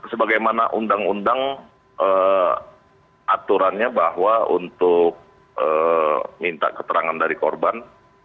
sebagaimana undang undang aturannya bahwa untuk minta keterangan dari korban